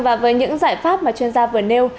và với những giải pháp mà chuyên gia vừa nêu